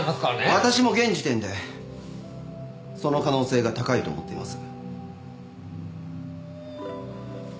私も現時点でその可能性が高いと思っています。